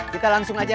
kita langsung aja